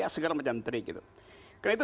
segala macam trik gitu karena itu